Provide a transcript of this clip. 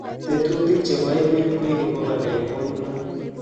Tetukik chebo emet koeku bokol eng konunoik